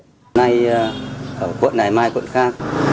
hôm nay ở quận này mai quận khác